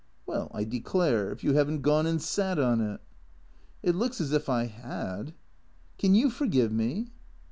" Well, I declare, if you have n't gone and sat on it." " It looks as if I had. Can you forgive me